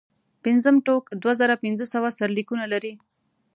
پنځم ټوک دوه زره پنځه سوه سرلیکونه لري.